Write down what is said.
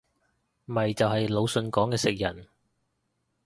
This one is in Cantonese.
咪就係魯迅講嘅食人